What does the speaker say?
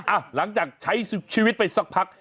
หลังจากใช้ชีวิตไปสักพัก